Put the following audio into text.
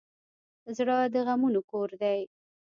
زړه د غمونو کور دی.